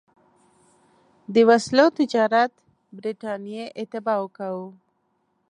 د وسلو تجارت برټانیې اتباعو کاوه.